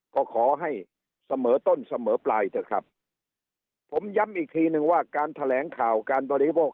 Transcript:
ก็ขอให้เสมอต้นเสมอปลายเถอะครับผมย้ำอีกทีนึงว่าการแถลงข่าวการบริโภค